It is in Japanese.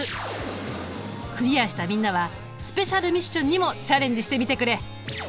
クリアしたみんなはスペシャルミッションにもチャレンジしてみてくれ。